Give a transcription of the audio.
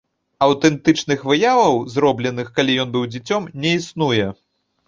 Аўтэнтычных выяваў, зробленых, калі ён быў дзіцём, не існуе.